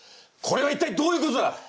これは一体どういうことだ！？